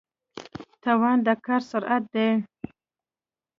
توان د کار سرعت دی.